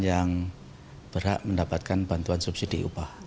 yang berhak mendapatkan bantuan subsidi upah